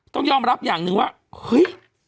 ต้องยอมรับอย่างหนึ่งว่าเฮ้ย